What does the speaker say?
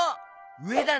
うえだね。